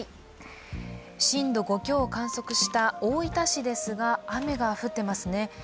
震度５強を観測した大分市ですが、雨が降ってますね。